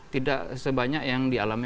tidak sebanyak yang dialami